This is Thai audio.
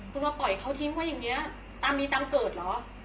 คุณมาปล่อยเขาทิ้งไว้อย่างนี้ตามมีตามเกิดเหรอ